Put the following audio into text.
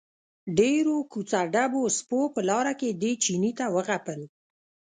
ډېرو کوڅه ډبو سپو په لاره کې دې چیني ته وغپل.